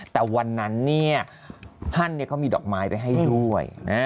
แต่วันนั้นเนี่ยท่านเขามีดอกไม้ไปให้ด้วย